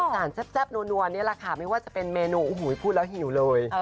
สารแซ่บนัวนี่แหละค่ะไม่ว่าจะเป็นเมนูโอ้โหพูดแล้วหิวเลย